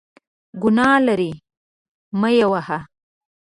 ګناه لري ، مه یې وهه !